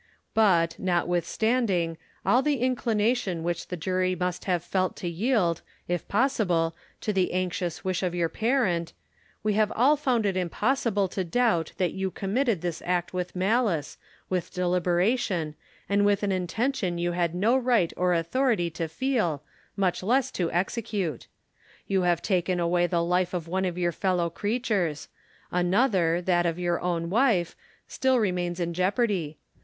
But, notwithstanding, all the inclination which the jury must have felt to yield, if possible, to the anxious wish of your parent, we have all found it impossible to doubt that you committed this act with malice, with deliberation, and with an intention you had no right or authority to feel, much less to execute. You have taken away the life of one of your fellow creatures; another, that of your own wife, still remains in jeopardy.